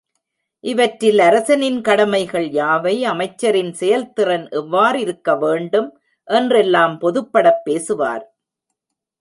இவற்றில் அரசனின் கடமைகள் யாவை, அமைச்சரின் செயல்திறன் எவ்வாறிருக்க வேண்டும் என்றெல்லாம் பொதுப்படப் பேசுவார்.